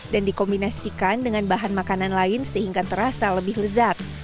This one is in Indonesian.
dan dikombinasikan dengan bahan makanan lain sehingga terasa lebih lezat